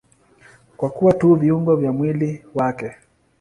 Kwa kuwa tu viungo vya mwili wake.